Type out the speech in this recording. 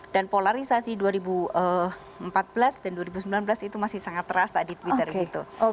dan polarisasi dua ribu empat belas dan dua ribu sembilan belas itu masih sangat terasa di twitter gitu